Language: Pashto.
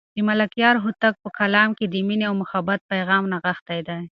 د ملکیار هوتک په کلام کې د مینې او محبت پیغام نغښتی دی.